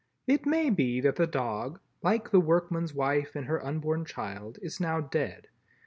It may be that the dog, like the workman's wife and her unborn child, is now dead.